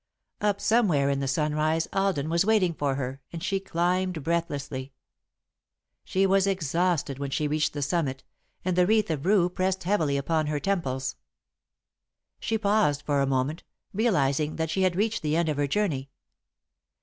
Up somewhere in the sunrise Alden was waiting for her, and she climbed breathlessly. She was exhausted when she reached the summit, and the wreath of rue pressed heavily upon her temples. She paused for a moment, realising that she had reached the end of her journey.